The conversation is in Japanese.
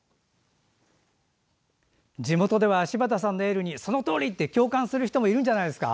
地元では柴田さんのエールにそのとおり！って共感する人もいるんじゃないですか？